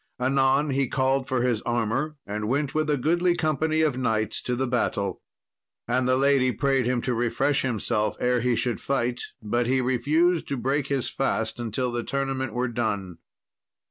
Anon he called for his armour, and went with a goodly company of knights to the battle. And the lady prayed him to refresh himself ere he should fight, but he refused to break his fast until the tournament were done.